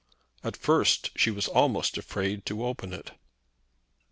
At first she was almost afraid to open it.